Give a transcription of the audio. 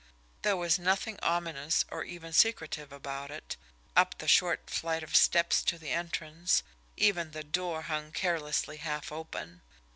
There was nothing ominous or even secretive about it up the short flight of steps to the entrance, even the door hung carelessly half open.